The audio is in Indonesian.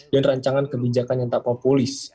dan rancangan kebijakan yang tak populis